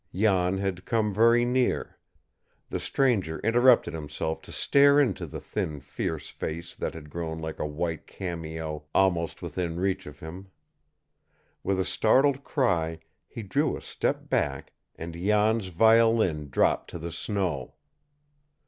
Jan had come very near. The stranger interrupted himself to stare into the thin, fierce face that had grown like a white cameo almost within reach of him. With a startled cry, he drew a step back, and Jan's violin dropped to the snow.